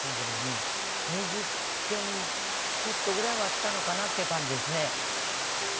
２０軒ちょっとぐらいはあったのかなっていう感じですね。